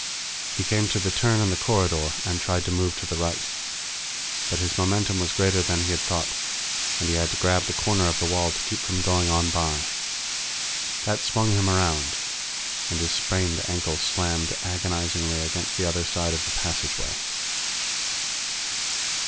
He came to the turn in the corridor, and tried to move to the right, but his momentum was greater than he had thought, and he had to grab the corner of the wall to keep from going on by. That swung him around, and his sprained ankle slammed agonizingly against the other side of the passageway.